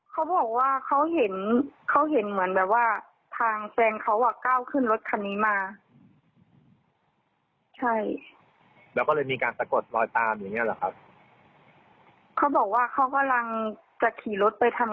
เขาก็เลยเยียวรถกลับแต่ว่าทางน้องเข้าใจว่า